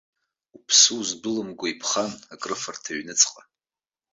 Уԥсы уздәылымго иԥхан акрыфарҭа аҩнуҵҟа.